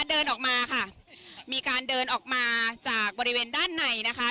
เดินออกมาค่ะมีการเดินออกมาจากบริเวณด้านในนะคะ